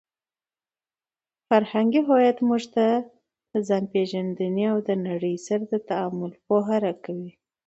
فرهنګي هویت موږ ته د ځانپېژندنې او د نړۍ سره د تعامل پوهه راکوي.